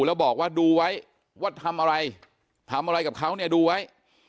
แล้วบอกว่าดูไว้ว่าทำอะไรทำอะไรกับเขาเนี่ยดูไว้